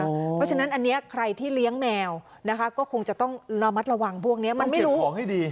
เพราะฉะนั้นอันนี้ใครที่เลี้ยงแมวนะคะก็คงจะต้องระมัดระวังพวกนี้มันไม่รู้ของให้ดี